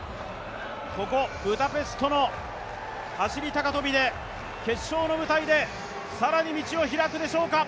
ここ、ブダペストの走高跳で、決勝の舞台で、更に道を開くでしょうか。